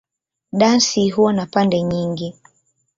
Dansi huwa na pande nyingi.